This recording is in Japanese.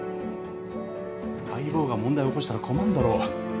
相棒が問題起こしたら困んだろ。